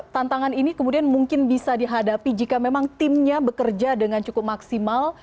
tantangan ini kemudian mungkin bisa dihadapi jika memang timnya bekerja dengan cukup maksimal